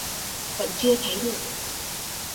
Vẫn chưa thấy được